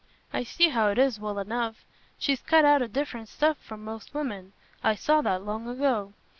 I see how it is, well enough. She's cut out o' different stuff from most women: I saw that long ago.